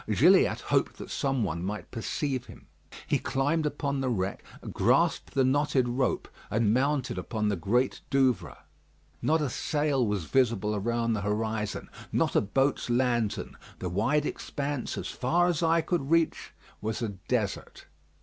Gilliatt hoped that some one might perceive him. He climbed upon the wreck, grasped the knotted rope, and mounted upon the Great Douvre. Not a sail was visible around the horizon; not a boat's lantern. The wide expanse, as far as eye could reach, was a desert.